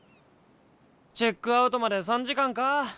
チェックアウトまで３時間か。